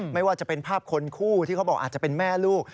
ไม่ว่าจะเป็นภาพคนคู่ที่เขาบอกอาจจะเป็นแม่ลูก